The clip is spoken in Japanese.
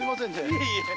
いえいえ。